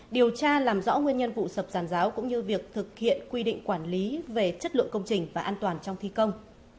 điều tra làm rõ nguyên nhân vụ sập giàn giáo cũng như việc thực hiện quy định quản lý về chất lượng công trình và an toàn trong thi công